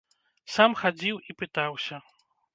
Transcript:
Сам хадзіў і пытаўся.